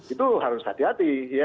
itu harus hadir